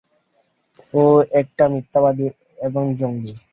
ও একটা মিথ্যাবাদী এবং জঙ্গী।